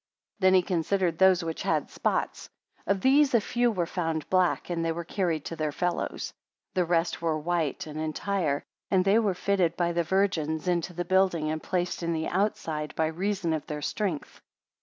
73 Then he considered those which had spots; of these a few were found black, and they were carried to their fellows. The rest were white and entire; and they were fitted by the virgins into the building, and placed in the outside, by reason of their strength.